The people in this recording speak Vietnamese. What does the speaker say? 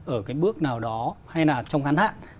ở cái bước nào đó hay là trong khán hạn